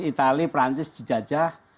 itali prancis jejajah